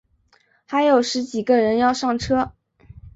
还有十几个人要上车